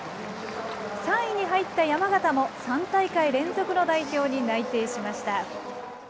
３位に入った山縣も３大会連続の代表に内定しました。